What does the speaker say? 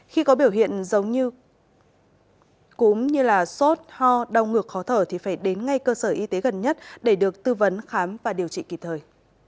khi có biểu hiện giống như là sốt ho đau ngược khó thở thì phải đến ngay cơ sở y tế gần nhất để được tư vấn khám và điều trị kịp thời